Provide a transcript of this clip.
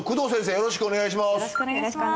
よろしくお願いします。